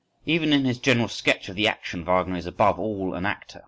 9. Even in his general sketch of the action, Wagner is above all an actor.